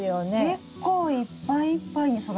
結構いっぱいいっぱいに育ちますね。